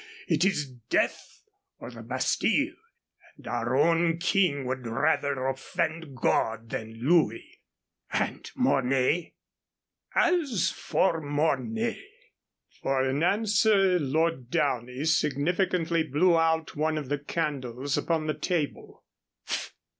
It is death or the Bastile, and our own King would rather offend God than Louis." "And Mornay " "As for Mornay " For an answer, Lord Downey significantly blew out one of the candles upon the table.